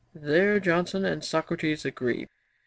There Johnson and Socrates agree.